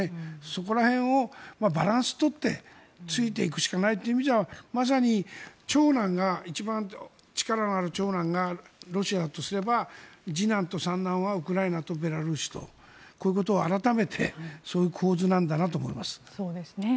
そこらへんをバランスとってついていくしかないという意味じゃまさに一番力のある長男がロシアとすれば、次男と三男はウクライナとベラルーシとこういうことを改めてそういう構図だと思います。